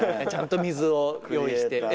ちゃんと水を用意して。